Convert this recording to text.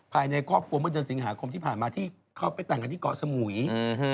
ภายในครอบครัวเมื่อเดือนสิงหาคมที่ผ่านมาที่เขาไปแต่งกันที่เกาะสมุย